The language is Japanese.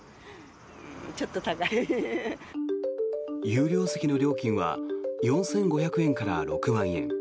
有料席の料金は４５００円から６万円。